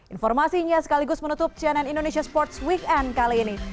informasinya sekaligus menutup cnn indonesia sports weekend kali ini